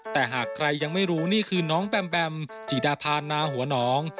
แต่หากใครยังไม่รู้นี่คือน้องแบมแบมจิดาพานนาหัวหนอง